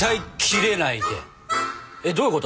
えどういうこと？